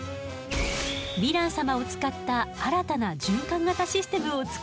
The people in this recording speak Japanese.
ヴィラン様を使った新たな循環型システムを作り出したの。